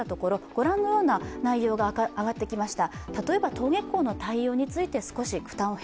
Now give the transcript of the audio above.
ご覧のような内容が挙がってきました。